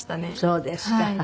そうですか。